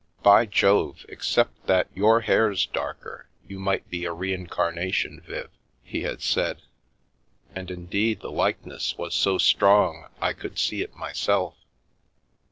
" By Jove ! Except that your hair's darker, you might be a re incarnation, Viv," he , had said, and indeed the likeness was so strong I could see it myself.